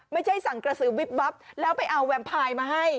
ไม่ใช่สั่งกระสือวิบวับแล้วไปเอาแวมพายมาให้